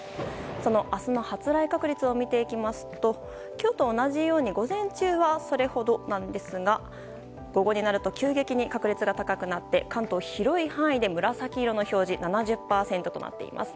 明日の発雷確率を見ていきますと今日と同じように午前中はそれほどなんですが午後になると急激に確率が高くなって関東、広い範囲で紫色の表示７０％となっています。